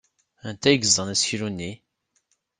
Anta ay yeẓẓan aseklu-nni?